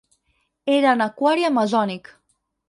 Era un aquari amazònic!